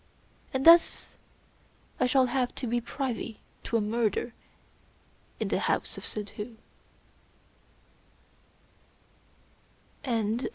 And thus I shall have to be privy to a murder in the house of Suddhoo.